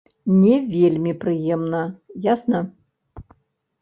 Не вельмі прыемна, ясна.